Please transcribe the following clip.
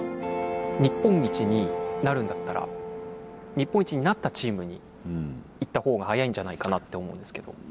日本一になるんだったら日本一になったチームに行った方が早いんじゃないかなって思うんですけど。